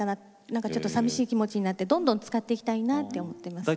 なんかちょっとさみしい気持ちになってどんどん使っていきたいなって思ってます。